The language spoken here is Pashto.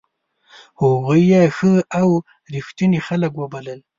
هغوی یې ښه او ریښتوني خلک وبلل.